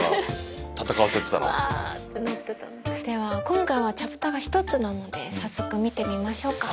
では今回はチャプターが１つなので早速見てみましょうか。